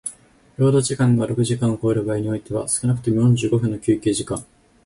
労働時間が六時間を超える場合においては少くとも四十五分の休憩時間